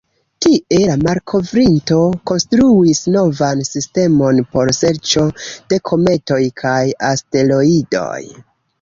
Tie, la malkovrinto konstruis novan sistemon por serĉo de kometoj kaj asteroidoj.